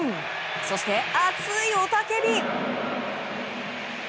そして、熱い雄たけび！